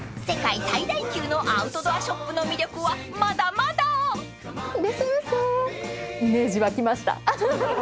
［世界最大級のアウトドアショップの魅力はまだまだ］